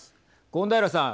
権平さん。